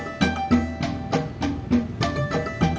mereka mee tentang senjata kembawan